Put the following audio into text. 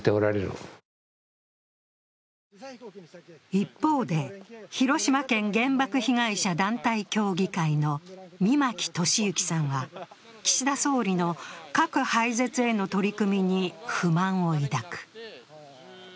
一方で、広島県原爆被害者団体協議会の箕牧智之さんは岸田総理の核廃絶への取り組みに不満を抱く。